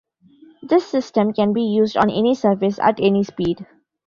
This system can be used on any surface at any speed.